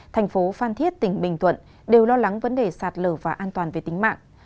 thành phố phan thiết tỉnh bình thuận đều lo lắng vấn đề sạt lở và an toàn về tính mạng